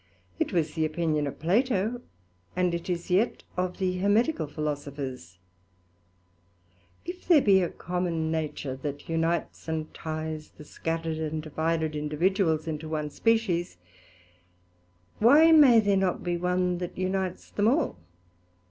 It was the opinion of Plato, and it is yet of the Hermetical Philosophers: if there be a common nature that unites and tyes the scattered and divided individuals into one species, why may there not be one that unites them all?